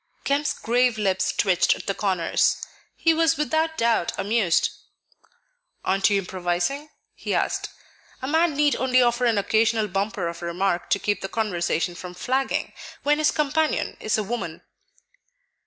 Kemp's grave lips twitched at the corners; he was without doubt amused. "Aren't you improvising?" he asked. A man need only offer an occasional bumper of a remark to keep the conversation from flagging, when his companion is a woman.